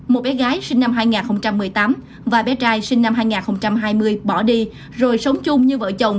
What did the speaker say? một bé gái sinh năm hai nghìn một mươi tám và bé trai sinh năm hai nghìn hai mươi bỏ đi rồi sống chung như vợ chồng